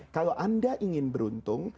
kalau anda ingin beruntung